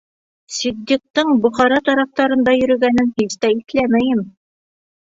— Ситдиҡтың Бохара тарафтарында йөрөгәнен һис тә иҫләмәйем.